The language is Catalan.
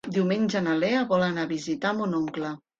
Diumenge na Lea vol anar a visitar mon oncle.